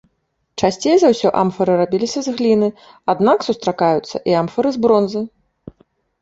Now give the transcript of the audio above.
Часцей за ўсё амфары рабіліся з гліны, аднак сустракаюцца і амфары з бронзы.